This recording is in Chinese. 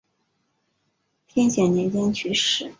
天显年间去世。